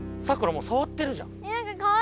もうさわってるじゃん。